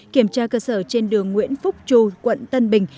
kiểm tra cơ sở trên đường nguyễn phúc chu quận tân bình